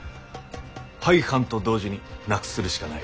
廃藩と同時になくするしかない。